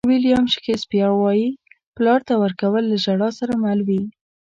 ویلیام شکسپیر وایي پلار ته ورکول له ژړا سره مل وي.